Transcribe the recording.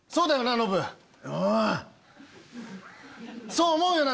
そう思うよな？